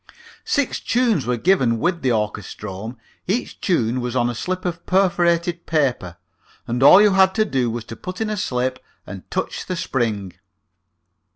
Six tunes were given with the orchestrome; each tune was on a slip of perforated paper, and all you had to do was to put in a slip and touch the spring.